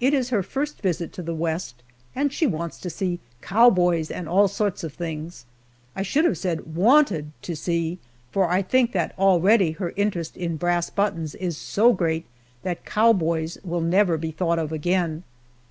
It is her first visit to the West, and she wants to see cowboys and all sorts of things. I should have said "wanted to see," for I think that already her interest in brass buttons is so great the cowboys will never be thought of again.